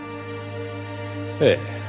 ええ。